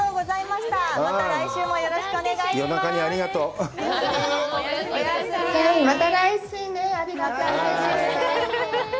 また来週もよろしくお願いします。